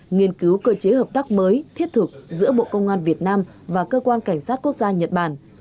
nghiên cứu cơ chế hợp tác mới thiết thực giữa bộ công an việt nam và cơ quan cảnh sát quốc gia nhật bản